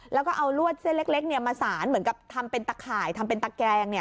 แล้วก็เอาลวดเส้นเล็กมาสารเหมือนกับทำเป็นตะข่ายทำเป็นตะแกง